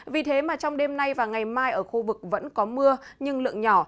vì thế mà trong đêm nay và ngày mai ở khu vực vẫn có mưa nhưng lượng nhỏ